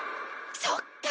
そっか！